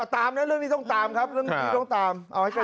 ตามนะเรื่องนี้ต้องตามครับเรื่องนี้ต้องตามเอาให้ก่อน